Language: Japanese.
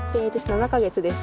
７カ月です。